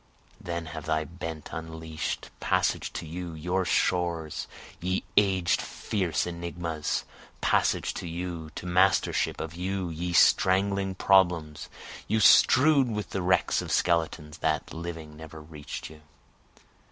Then have thy bent unleash'd. Passage to you, your shores, ye aged fierce enigmas! Passage to you, to mastership of you, ye strangling problems! You, strew'd with the wrecks of skeletons, that, living, never reach'd you.